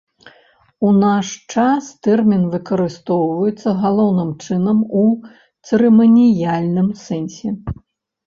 У наш час тэрмін выкарыстоўваецца галоўным чынам у цырыманіяльным сэнсе.